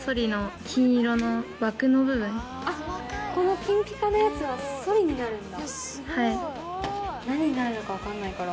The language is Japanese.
金ピカのやつはソリになるんだ。